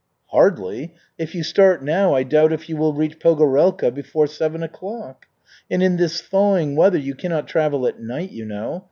"Hardly. If you start now I doubt if you will reach Pogorelka before seven o'clock. And in this thawing weather you cannot travel at night, you know.